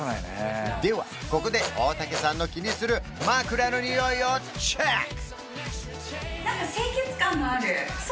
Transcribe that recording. ではここで大竹さんの気にする枕のにおいをチェック！